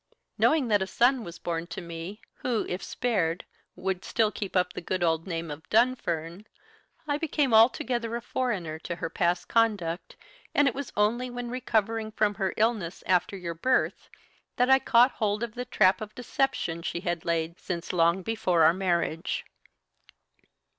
"Knowing that a son was born to me, who, if spared, would still keep up the good old name of Dunfern, I became altogether a foreigner to her past conduct, and it was only when recovering from her illness, after your birth, that I caught hold of the trap of deception she had laid since long before our marriage.